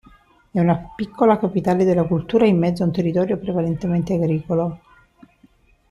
È una piccola capitale della cultura in mezzo a un territorio prevalentemente agricolo.